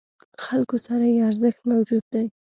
خلکو سره یې ارزښت موجود دی.